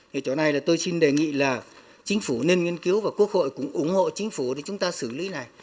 thì chỗ này là tôi xin đề nghị là chính phủ nên nghiên cứu và quốc hội cũng ủng hộ chính phủ để chúng ta xử lý này